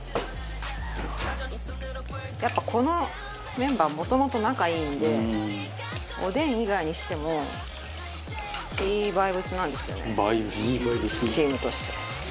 やっぱこのメンバーもともと仲いいんでおでん以外にしてもいいバイブスなんですよねチームとして。